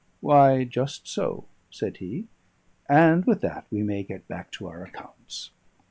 "Why, just so," said he. "And with that we may get back to our accounts."